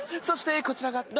そしてこちらが。